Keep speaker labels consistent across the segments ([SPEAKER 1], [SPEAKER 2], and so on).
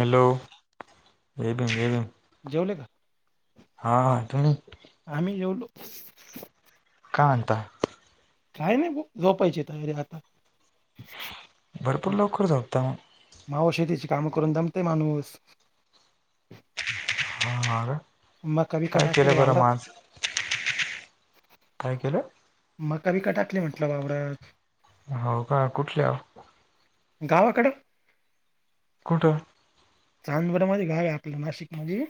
[SPEAKER 1] Hello, जय भीम जय भीम.
[SPEAKER 2] जेवले का?
[SPEAKER 1] हा, तुम्ही?
[SPEAKER 2] आम्ही जेवलो.
[SPEAKER 1] काय म्हणता?
[SPEAKER 2] काय नाय बघ झोपायची तयारी आता.
[SPEAKER 1] भरपूर लवकर झोपता म?
[SPEAKER 2] अहो शेतीची कामं करून दमतय माणूस.
[SPEAKER 1] हा हा काय,
[SPEAKER 2] मका बिका
[SPEAKER 1] काय
[SPEAKER 2] टाकेले
[SPEAKER 1] केलं बरं म
[SPEAKER 2] वावरात
[SPEAKER 1] आज? काय केलं?
[SPEAKER 2] मग बिका टाकली म्हटलं वावरात.
[SPEAKER 1] हो का कुठल्या?
[SPEAKER 2] गावकड.
[SPEAKER 1] कुठं?
[SPEAKER 2] चांदवड मध्ये गाव आय आपलं नाशिकमधी.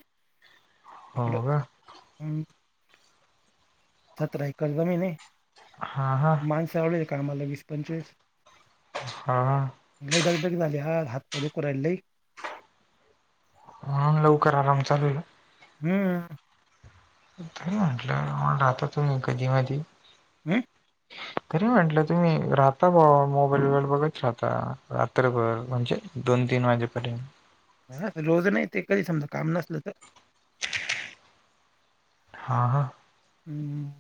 [SPEAKER 1] हो का.
[SPEAKER 2] हम्म, सतरा एकर जमीन ए.
[SPEAKER 1] हा हा.
[SPEAKER 2] माणस लावले कामाला वीस पंचवीस.
[SPEAKER 1] हा हा.
[SPEAKER 2] लय दग दग झाली आज हात पाय दुखू राहिले लय.
[SPEAKER 1] म्हणून लवकर आराम चालु आय का?
[SPEAKER 2] हम्म.
[SPEAKER 1] तरी म्हटलं आता तुम्ही कधी मधी
[SPEAKER 2] हम्.
[SPEAKER 1] [inaudible] तरी म्हटलं तुम्ही राहता मोबाइल बिबायल बघत राहता रात्रभर म्हणजे दोन तीन वाजेपर्यंत.
[SPEAKER 2] रोज नाय ते कधी समजा काम नसलं तर.
[SPEAKER 1] हा हा.
[SPEAKER 2] हम्म.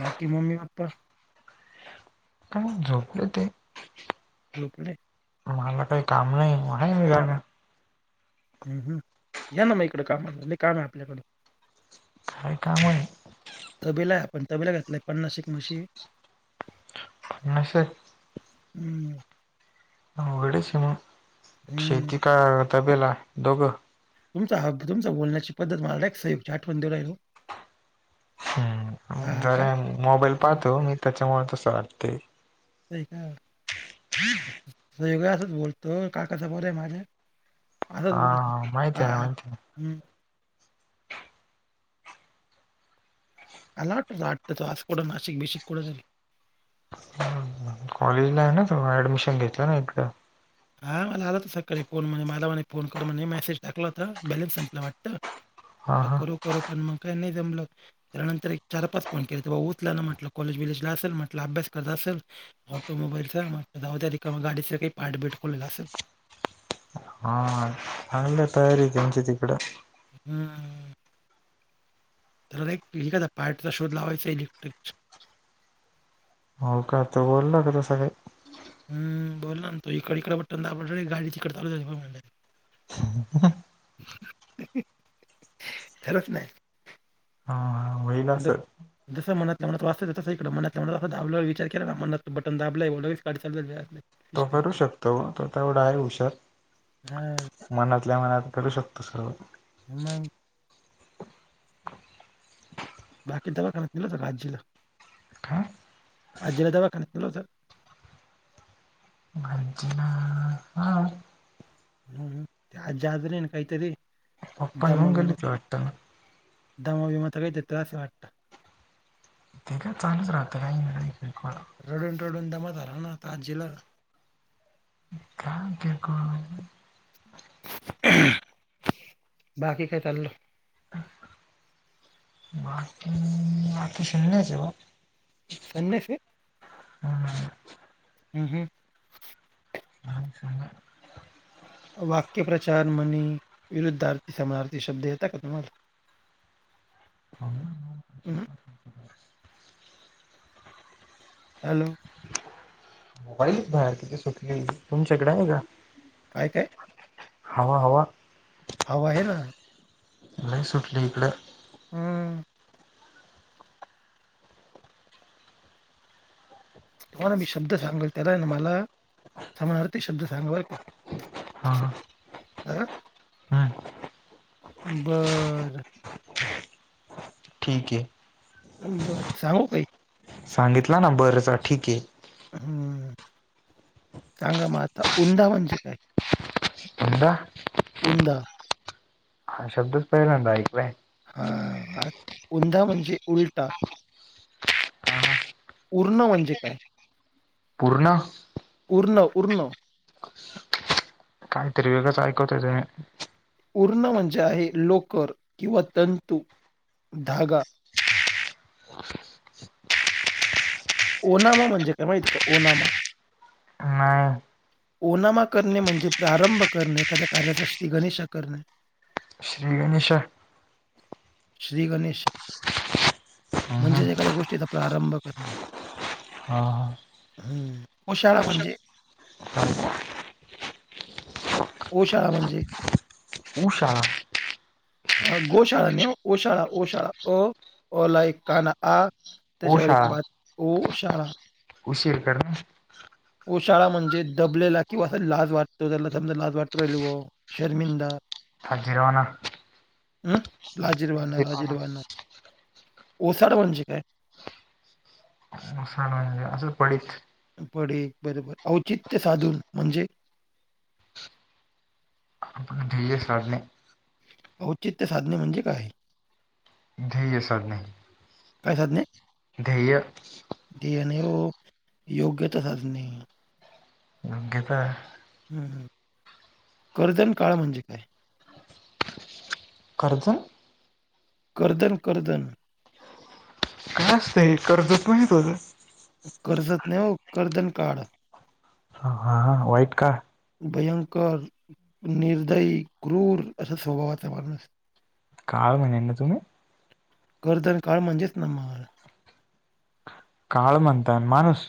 [SPEAKER 2] बाकी मम्मी पप्पा?
[SPEAKER 1] काय नाय झोपले ते.
[SPEAKER 2] झोपले?
[SPEAKER 1] मला काम नाय [unintelligible]
[SPEAKER 2] हम्म हम्, याना म इकडं कामाला लय काम आय आपल्याकड.
[SPEAKER 1] काय काम होय?
[SPEAKER 2] तबेला आय आपण तबेला घेतलाय पन्नास एक म्हशी
[SPEAKER 1] पन्नास एक?
[SPEAKER 2] हू
[SPEAKER 1] उघडेच म
[SPEAKER 2] हं.
[SPEAKER 1] शेती का तबेला दोघं
[SPEAKER 2] तुमचा हक्क तुमचा बोलण्याची पद्धत मला एक नाईक साहेबची आठवण देऊ राहिली ओ
[SPEAKER 1] हू
[SPEAKER 2] हां का?
[SPEAKER 1] जरा मोबाईल
[SPEAKER 2] बरं
[SPEAKER 1] पाहतो मी त्याच्यामुळे तसं वाटते
[SPEAKER 2] होय का नेहमी असंच बोलतो काका समोर हाय माझ्या असाच बोलतो
[SPEAKER 1] हा
[SPEAKER 2] मी
[SPEAKER 1] माहिती
[SPEAKER 2] हा
[SPEAKER 1] आहे ना माहिती आहे
[SPEAKER 2] हू [unintelligible] असं कुटनाशिक बिशीक कुठतरी
[SPEAKER 1] कॉलेजला हाय ना तवा ऍडमिशन घेतला ना एकटा
[SPEAKER 2] हा मला आला त सकाळी फोन म्हणे मला म्हणे फोन कर म्हणे मेसेज टाकला होता बॅलेन्स संपला वाटतं
[SPEAKER 1] हा हा
[SPEAKER 2] करू करू पण मग काय नाही जमलं त्यानंतर एक चार पाच फोन केले ते बाबा उचला ना म्हटलं कॉलेज बीलेजला असल म्हटलं अभ्यास करत असल ऑटोमोबाईलचा मग जाऊ द्या रिकामा गाडीचं काय काही पार्टबीट खोलेलं असल
[SPEAKER 1] हा चांगली तयारी त्यांची तीकड
[SPEAKER 2] हू तर एक एखादा पार्टचा शोध लावायचा इलेक्ट्रिक
[SPEAKER 1] हो का तो बोलला का तसा काही
[SPEAKER 2] हू बोलला ना तो इकड इकड बट दा गाडी तिकड चालू झाली
[SPEAKER 1] [unintelligible]
[SPEAKER 2] खरंच नाही
[SPEAKER 1] हा हा होईल
[SPEAKER 2] म्हणलं
[SPEAKER 1] असं
[SPEAKER 2] जसं मनातल्या मनात वाटतं तसं इकड मनातल्या मनात थांबलोय विचार केला ना मनात बटन दाबलंय लगेच गाडी चालू झाल्या
[SPEAKER 1] तो करू शकतो तो तेवढा आहे हुशार
[SPEAKER 2] हां,
[SPEAKER 1] मनातल्या मनात करू शकतो सर्व
[SPEAKER 2] [unintelligible] बाकी त्याला दवाखान्यात दिलं होत राज्य
[SPEAKER 1] काय
[SPEAKER 2] राज्याला दवाखान्यात दिलं होत
[SPEAKER 1] भंजना हा
[SPEAKER 2] आज जागरण हाय ना कायतरी
[SPEAKER 1] पप्पा
[SPEAKER 2] दम
[SPEAKER 1] घेऊन गेले
[SPEAKER 2] मग
[SPEAKER 1] ते वाटतं ना.
[SPEAKER 2] दमा बिमाचा काही तरी त्रास वाटत
[SPEAKER 1] ते काय चालच राहतं [unintelligible]
[SPEAKER 2] रडून रडून दमा झाला ना आता आजीला
[SPEAKER 1] ते करुन
[SPEAKER 2] बाकी काय चालूय
[SPEAKER 1] [unintelligible]
[SPEAKER 2] संन्यासी
[SPEAKER 1] [unintelligible]
[SPEAKER 2] हू हू
[SPEAKER 1] कहाणी सांगा
[SPEAKER 2] वाक्यप्रचार म्हणी विरुद्धार्थी समणार्थी शब्द येता का तुम्हाला
[SPEAKER 1] हो
[SPEAKER 2] हं, हॅलो
[SPEAKER 1] मोबाईल बाहेर किती सुटकिल तुमच्याकडे आहे का
[SPEAKER 2] काय काय
[SPEAKER 1] हवा हवा
[SPEAKER 2] हवा आहे ना
[SPEAKER 1] लय सुटली ईकड
[SPEAKER 2] हम्म. तुम्हाला मी शब्द सांगल, त्याला आणि मला समणारथी शब्द सांगा बर का
[SPEAKER 1] हां. हा -
[SPEAKER 2] बर
[SPEAKER 1] ठीके.
[SPEAKER 2] बरं सांगू काही
[SPEAKER 1] सांगितला ना बरंच ठीके.
[SPEAKER 2] हम्म सांगा म आता, उंदा म्हणजे काय?
[SPEAKER 1] वुनदा?
[SPEAKER 2] उंदा.
[SPEAKER 1] हा शब्दच पहिल्यांदा ऐकलाय.
[SPEAKER 2] ह ऊंदा म्हणजे उलटा. उरण म्हणजे काय?
[SPEAKER 1] पूर्ण?
[SPEAKER 2] उरण उरण.
[SPEAKER 1] काहीतरी वेगळंच ऐकवताय तुम्ही.
[SPEAKER 2] उरण म्हणजे आहे, लोकर किंवा तंतू, धागा. ओनामा म्हणजे काय माहिती का, ओनामा.
[SPEAKER 1] नाही.
[SPEAKER 2] ओनामा करणे म्हणजे प्रारंभ करणे, एखाद्या कार्याचा श्री गणेशा करणे.
[SPEAKER 1] श्री गणेशा.
[SPEAKER 2] श्री गणेशा.
[SPEAKER 1] हा
[SPEAKER 2] म्हणजेच एखाद्या गोष्टीचा प्रारंभ करणे.
[SPEAKER 1] हा.
[SPEAKER 2] हम्म ओशाळा म्हणजे. ओ शाळा म्हणजे.
[SPEAKER 1] उशाळा.
[SPEAKER 2] हा गोशाळा नाय ओ शाळा ओशाळा अ अ ला एक काना आ त्याच्यावर एक मात्र ओशाळा.
[SPEAKER 1] उशिर करने.
[SPEAKER 2] ओशाळा म्हणजे दबलेला किंवा अस लाज वाटतो त्याला समजा लाज वाटु राहिली भाऊ. शरमिंदा.
[SPEAKER 1] लाजीरवाणा.
[SPEAKER 2] हम् लाजीरवाना
[SPEAKER 1] जिरवणा
[SPEAKER 2] लाजीरवाना, ओसाड म्हणजे काय?
[SPEAKER 1] ओसाड म्हणजे असं पडीक.
[SPEAKER 2] पडीक बरोबर, औचित्य साधून म्हणजे?
[SPEAKER 1] ध्येय साधणे.
[SPEAKER 2] औचित्य साधने, म्हणजे काय?
[SPEAKER 1] ध्येय साधणे.
[SPEAKER 2] काय साधने.
[SPEAKER 1] ध्येय.
[SPEAKER 2] ध्येय नाही ओ, योग्यता साधणे.
[SPEAKER 1] योग्यता.
[SPEAKER 2] हूं हूं कर्दनकाळ म्हणजे काय?
[SPEAKER 1] करर्जन?
[SPEAKER 2] कर्दन कर्दन.
[SPEAKER 1] कासय कर्जत [unintelligible]
[SPEAKER 2] कर्जत नाही ओ कर्दनकाळ.
[SPEAKER 1] हां हां वाईट काळ.
[SPEAKER 2] भयंकर, निर्दयी, क्रूर, अश्या स्वभावाचा माणूस.
[SPEAKER 1] काळ म्हने ना तुम्ही.
[SPEAKER 2] कर्दनकाळ म्हणजेच ना माळ.
[SPEAKER 1] काळ म्हणतान माणूस.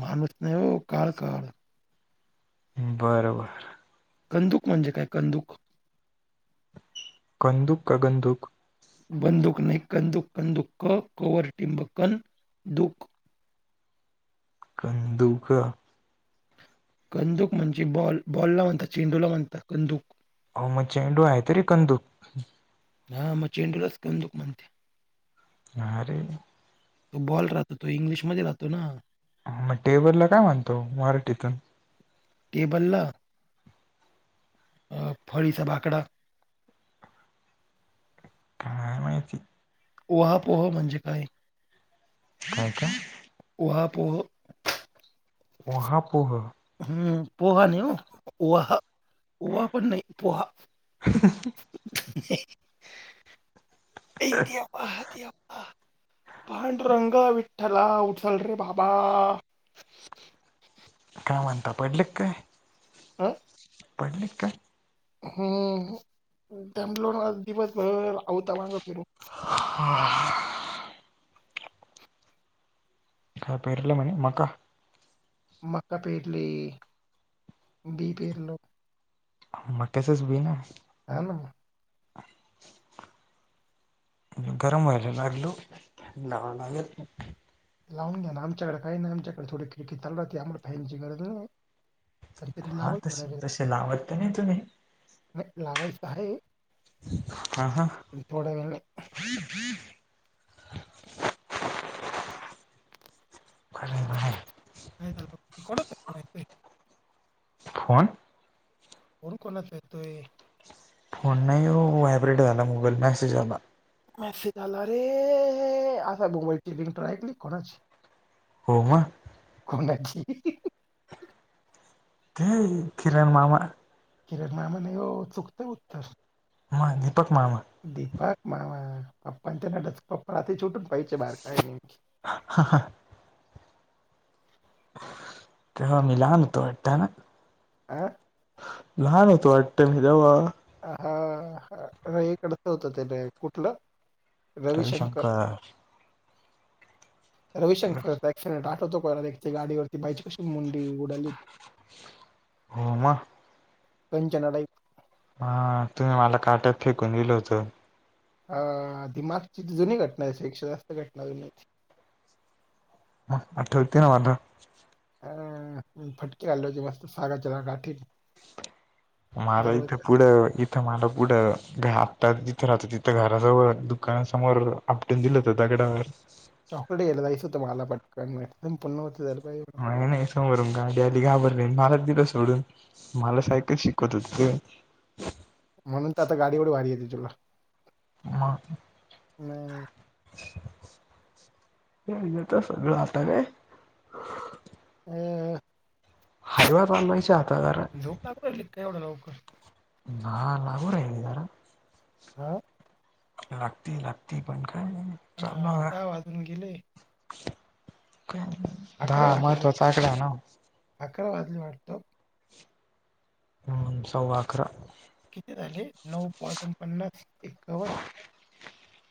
[SPEAKER 2] माणूस नाही हो काळ काळ.
[SPEAKER 1] बरं बर!
[SPEAKER 2] कंदुक, म्हणजे काय कंदुक.
[SPEAKER 1] कंदुक का गंदुक.
[SPEAKER 2] बंदुक नाही, कंदुक कंदुक कवरटिंब कनदुक
[SPEAKER 1] कंदुक!
[SPEAKER 2] कंदुक म्हणजे बॉल, बॉल ला म्हणतात चेंडूला म्हणतात कंदुक.
[SPEAKER 1] अवो म चेंडू आहे तरी, कंदुक.
[SPEAKER 2] हा म चेंडूला च कंदूक म्हनत्यां.
[SPEAKER 1] हा रे!
[SPEAKER 2] तो बॉल राहतो तो इंग्लिशमध्ये राहतो ना.
[SPEAKER 1] म टेबल ला काय म्हनतां ओ मराठीतून?
[SPEAKER 2] टेबल ला! अ फळीचा बाकडा.
[SPEAKER 1] काय माहिती.
[SPEAKER 2] ऊहापोह म्हणजे काय?
[SPEAKER 1] क का.
[SPEAKER 2] उहापोह!
[SPEAKER 1] ऊहापोह?
[SPEAKER 2] हूं पोहा नाही ओ, वह ओवां पण नाही पोहा.
[SPEAKER 1] [inaudible]
[SPEAKER 2] ये देवा देवा! पांडूरंगा, विठ्ठला उचल रे बाबाा.
[SPEAKER 1] काय म्हंनता पडले क काय?
[SPEAKER 2] हं!
[SPEAKER 1] पडले क काय?
[SPEAKER 2] हूं दमलो ना आज दिवसभर आवता मांग फिरून.
[SPEAKER 1] हा! काय पेरल म्हणे मका?
[SPEAKER 2] मका पेरले, बि पेरल.
[SPEAKER 1] मक्याचंच बी ना!
[SPEAKER 2] हा ना!
[SPEAKER 1] [inaudible] गरम व्हायला लागल ओ, लावा लागल.
[SPEAKER 2] लावून घ्या ना आमच्याकड काही नाही, आमच्याकड थोडी खिडकी चालू राहती, आम्हाला फॅन ची गरजच नाही. पण तरी
[SPEAKER 1] हा
[SPEAKER 2] लावाल थोडा
[SPEAKER 1] तसे
[SPEAKER 2] वेळ
[SPEAKER 1] तसे लावतते नाही तुम्ही
[SPEAKER 2] नाही लावाईच आरे
[SPEAKER 1] हा हा
[SPEAKER 2] पोळा गेले
[SPEAKER 1] फ्री फ्री घाले बा आहे
[SPEAKER 2] का कत हो
[SPEAKER 1] फोन
[SPEAKER 2] कोण कोणच तोय
[SPEAKER 1] फोन नाहीही व्हायब्रेट झाला मॅसेज झाला
[SPEAKER 2] मेस झाला रे असा मुंबईची रिंट रायकली कोणाची
[SPEAKER 1] हो म
[SPEAKER 2] कोणाची
[SPEAKER 1] हे किरण मामा
[SPEAKER 2] किरण नाम नव चुक्त उत्तर
[SPEAKER 1] म दीपक मामा
[SPEAKER 2] दीपक मामा पप्पांच्या नट पप्पा राती छुटून पाहिजचेे बाहेर काय नेमकी
[SPEAKER 1] हा हां त मलाान तो
[SPEAKER 2] आं
[SPEAKER 1] लाहान तो वाटत म देव
[SPEAKER 2] हा एककडच होतं त्याला कुठलं
[SPEAKER 1] रविशंकर
[SPEAKER 2] रविशंकरट आठवतो कोला गाडीवरती बाईशी मुंडी उडाली
[SPEAKER 1] होमा
[SPEAKER 2] कंचना नाही
[SPEAKER 1] हा तुम्ही मला काट्यात फेकून दिलं होतं
[SPEAKER 2] अ दिमागची जुनी घटनाेक्षा जास्त लावली
[SPEAKER 1] ह आठवते ना मला
[SPEAKER 2] अ आलोजे मस्त चला गठी
[SPEAKER 1] माार इथे पुढं इथं मला पुढं आत्ता तिथं तिथं घराजवळ दुकानासमोर आपटून दिलं हो त्यागडावर
[SPEAKER 2] चॉकलेट येलला रायस होतो्हाला पक प पुणव
[SPEAKER 1] का नाही समोरून गाडी आली घाबरली मला दिलं सोडून मला सायकल शिकवत होते ते
[SPEAKER 2] म्हणून तर आता गाडी वडडी वा भारी येते तुला
[SPEAKER 1] मग
[SPEAKER 2] नाही
[SPEAKER 1] यता सगळं आटण
[SPEAKER 2] हम्
[SPEAKER 1] हावाात न नाहीय आता कार
[SPEAKER 2] धोका एवढं लवकर
[SPEAKER 1] हाराहिल जरा
[SPEAKER 2] हां
[SPEAKER 1] लागती लागती पटंकणं
[SPEAKER 2] हां दहा वाजूंन गेले
[SPEAKER 1] कायं
[SPEAKER 2] अकरा अकरा वाजली वाटतं अकरा वाजली वाटतं
[SPEAKER 1] सवां अकरा
[SPEAKER 2] किती झाले नऊं पाजूंन पन्नास एकांव्न
[SPEAKER 1] [unintelligible]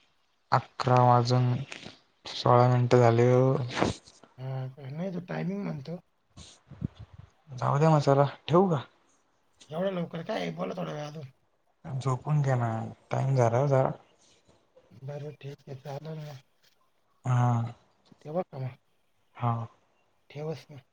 [SPEAKER 1] अकरा वाजूंन सोळां मिनटं झाली हो
[SPEAKER 2] हां कां नाहीं तो टायमिंग म्हणतो
[SPEAKER 1] जाऊं द्यां मगं चलां ठेवूं कां
[SPEAKER 2] एवढं लवकरं कायं बोलंला थोडं व्यांयाम अजूंन
[SPEAKER 1] झोपूंन घेनां टाईम झांला जा
[SPEAKER 2] बरं ठीक आहे चाले नां
[SPEAKER 1] हां
[SPEAKER 2] तेव्हां कामं
[SPEAKER 1] हां
[SPEAKER 2] ठेवसं नां